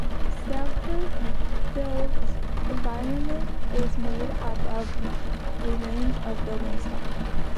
Salford's built environment is made up of a range of building stock.